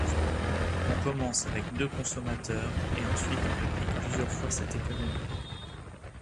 On commence avec deux consommateurs et ensuite on réplique plusieurs fois cette économie.